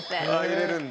入れるんだ。